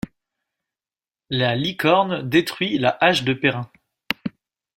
La Licorne détruit la hache de Perun.